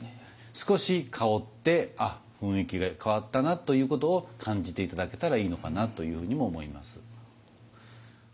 少し香ってあ雰囲気が変わったなということを感じて頂けたらいいのかなというふうにも思います。